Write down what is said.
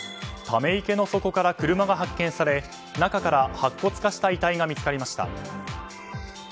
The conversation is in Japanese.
ため池の底から車が発見され中から白骨化した遺体が見つかりました。